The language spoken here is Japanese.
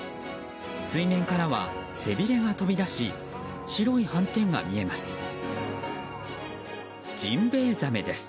水面からは背びれが飛び出し白い斑点が見えます。